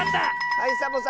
はいサボさん。